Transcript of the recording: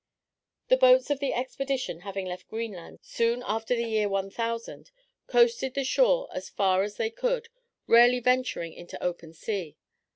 The boats of the expedition having left Greenland soon after the year 1000, coasted the shore as far as they could, rarely venturing into open sea.